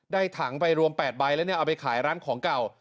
ถังไปรวม๘ใบแล้วเนี่ยเอาไปขายร้านของเก่า